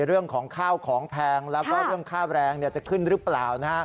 เรื่องของข้าวของแพงแล้วก็เรื่องค่าแรงจะขึ้นหรือเปล่า